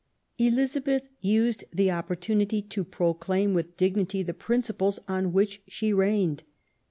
Elizabeth used the opportunity to proclaim with dignity the principles on which she reigned.